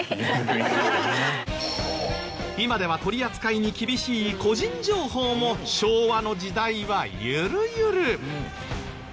今では取り扱いに厳しい個人情報も昭和の時代はユルユル。